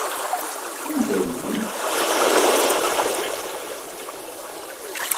Anda-yi?